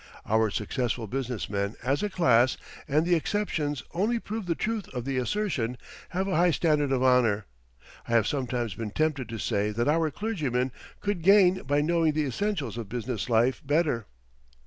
Our successful business men as a class, and the exceptions only prove the truth of the assertion, have a high standard of honour. I have sometimes been tempted to say that our clergymen could gain by knowing the essentials of business life better.